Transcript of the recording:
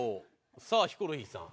さあヒコロヒーさん。